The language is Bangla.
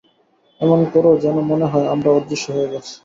এমন করো যেন মনে হয় আমরা অদৃশ্য হয়ে গেছি।